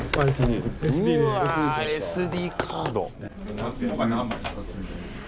うわＳＤカード。